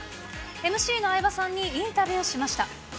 ＭＣの相葉さんにインタビューしました。